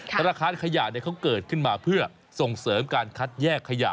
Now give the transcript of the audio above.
ธนาคารขยะเขาเกิดขึ้นมาเพื่อส่งเสริมการคัดแยกขยะ